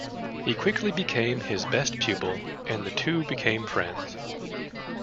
He quickly became his best pupil and the two became friends.